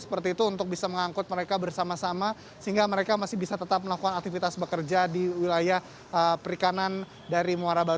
seperti itu untuk bisa mengangkut mereka bersama sama sehingga mereka masih bisa tetap melakukan aktivitas bekerja di wilayah perikanan dari muara baru